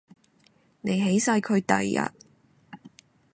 你起晒佢底呀？